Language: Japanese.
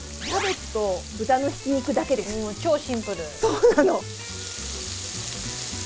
そうなの。